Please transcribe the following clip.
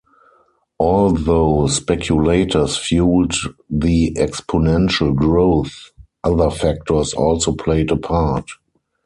Although speculators fueled the exponential growth, other factors also played a part.